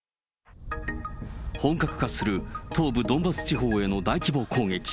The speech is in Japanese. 本格化する東部ドンバス地方への大規模攻撃。